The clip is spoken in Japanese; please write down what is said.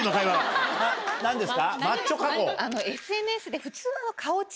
ＳＮＳで。